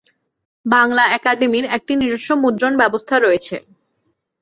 বাংলা একাডেমির একটি নিজস্ব মুদ্রণ ব্যবস্থা রয়েছে।